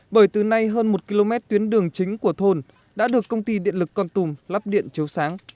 bởi từ nay hơn một km tuyến đường chính của thôn đã được công ty điện lực con tum lắp điện chiếu sáng